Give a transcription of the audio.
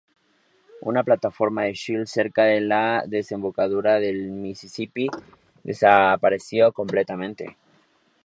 Una plataforma de Shell cerca de la desembocadura del Misisipi desapareció completamente.